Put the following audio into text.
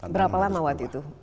berapa lama waktu itu